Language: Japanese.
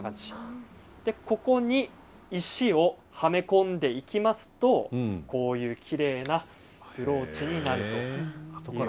ここに石をはめ込んでいきますとこういうきれいなブローチになると。